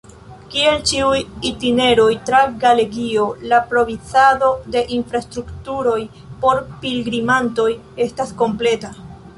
Kiel ĉiuj itineroj tra Galegio, la provizado de infrastrukturoj por pilgrimantoj estas kompleta.